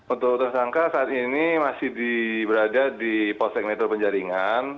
untuk tersangka saat ini masih berada di posek metro penjaringan